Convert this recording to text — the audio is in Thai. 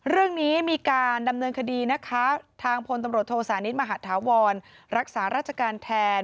เรื่องนี้มีการดำเนินคดีนะคะทางพลตำรวจโทสานิทมหาธาวรรักษาราชการแทน